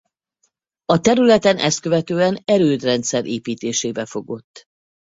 A területen ezt követően erődrendszer építésébe fogott.